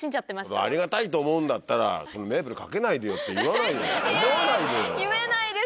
ありがたいと思うんだったら「メープルかけないでよ」って言わないよ